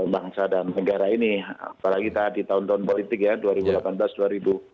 bangsa dan negara ini apalagi tadi tahun tahun politik ya dua ribu delapan belas dua ribu dua puluh